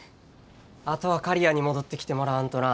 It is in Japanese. あとは刈谷に戻ってきてもらわんとな。